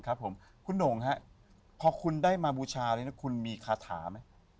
ครับผมคุณหน่งฮะพอคุณได้มาบูชาเลยนะคุณมีคาถาไหม